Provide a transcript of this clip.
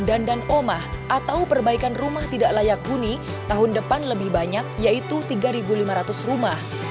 dandan omah atau perbaikan rumah tidak layak huni tahun depan lebih banyak yaitu tiga lima ratus rumah